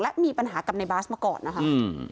และมีปัญหากับในบาสมาก่อนนะคะ